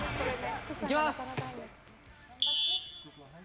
いきます。